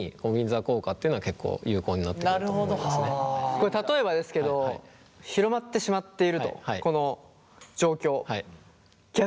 これ例えばですけど広まってしまっているとこの状況。